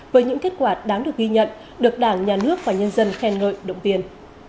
với những kết quả đáng được ghi nhận được đảng nhà nước và nhân dân khen ngợi động viên